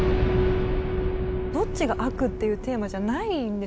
どっちが悪っていうテーマじゃないんですよね。